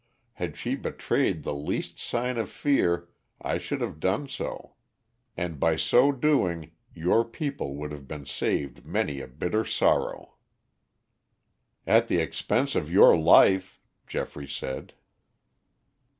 Had she betrayed the least sign of fear I should have done so. And by so doing your people would have been saved many a bitter sorrow." "At the expense of your life," Geoffrey said.